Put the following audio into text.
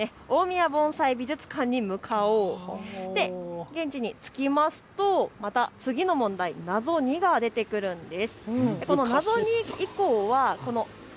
盆栽美術館に向かおう、そして現地に着きますと次の問題、謎、２が出てくるんです。